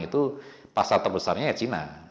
itu pasar terbesarnya cina